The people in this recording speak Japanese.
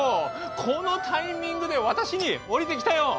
このタイミングで私に降りてきたよ。